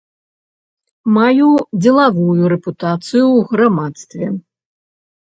Маю дзелавую рэпутацыю ў грамадстве.